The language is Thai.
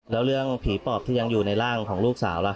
แล้วเรื่องผีปอบที่ยังอยู่ในร่างของลูกสาวล่ะ